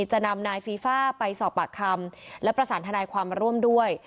จะนำนายฟีฟ่าไปสอบปากคำและประสานทนายความมาร่วมด้วย